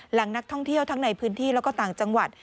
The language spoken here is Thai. หลังนักท่องเที่ยวทั้งในพื้นที่แล้วก็ต่างจังหวัด